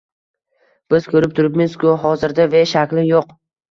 Biz ko'rib turibmizki, hozirda V shakli yo'q